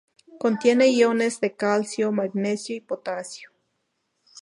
Contiene iones de calcio, magnesio y potasio.